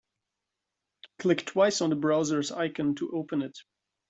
Click twice on the browser's icon to open it.